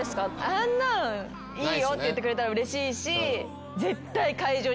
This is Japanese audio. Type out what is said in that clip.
あんなんいいよって言ってくれたらうれしいし。